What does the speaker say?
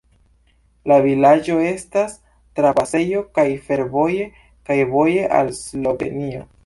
La vilaĝo estas trapasejo kaj fervoje, kaj voje al Slovenio.